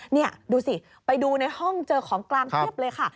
นี่ดูสิไปดูในห้องเจอของกลางเพียบเลยค่ะ